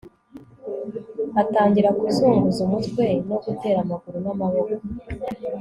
atangira kuzunguza umutwe no gutera amaguru n'amaboko